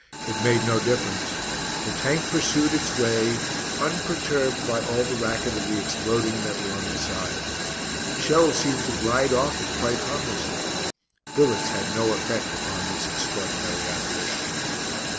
It made no difference. The Tank pursued its way, unperturbed by all the racket of the exploding metal on its sides. Shells seemed to glide off it quite harmlessly. Bullets had no effect upon this extraordinary apparition.